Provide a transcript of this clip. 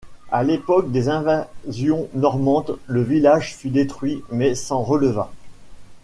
À l'époque des invasions normandes, le village fut détruit, mais s'en releva.